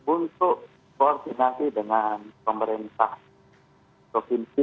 untuk koordinasi dengan pemerintah provinsi